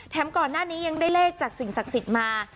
ก่อนหน้านี้ยังได้เลขจากสิ่งศักดิ์สิทธิ์มา